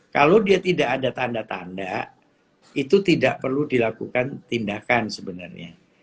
kalau dia tidak ada tanda tanda itu tidak perlu dilakukan tindakan sebenarnya